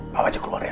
bawa aja keluar ya